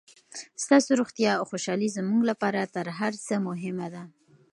ستاسو روغتیا او خوشحالي زموږ لپاره تر هر څه مهمه ده.